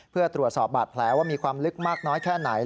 เพื่อตรวจสอบบาดแผลว่ามีความลึกมากน้อยแค่ไหน